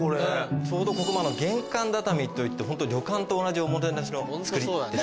ちょうどここも玄関畳といって旅館と同じおもてなしの作りですね。